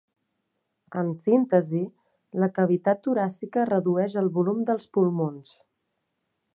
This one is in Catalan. En síntesi la cavitat toràcica redueix el volum dels pulmons.